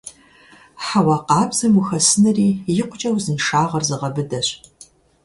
Хьэуа къабзэм ухэсынри икъукӀэ узыншагъэр зыгъэбыдэщ.